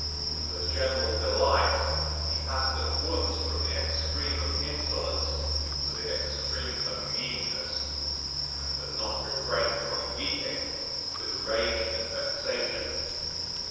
To the general delight, he passed at once from the extreme of insolence to the extreme of meanness, and could not refrain from weeping with rage and vexation.